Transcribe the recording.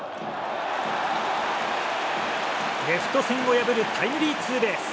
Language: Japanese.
レフト線を破るタイムリーツーベース。